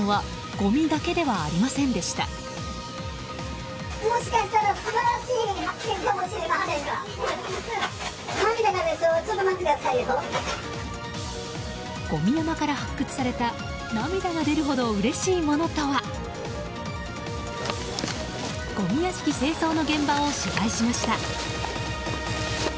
ごみ屋敷清掃の現場を取材しました。